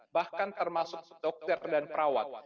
bahkan termasuk dokter dan perawat